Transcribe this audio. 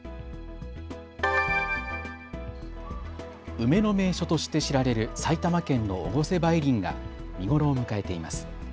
梅の名所として知られる埼玉県の越生梅林が見頃を迎えています。